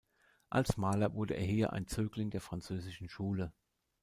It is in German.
Als Maler wurde er hier ein Zögling der französischen Schule.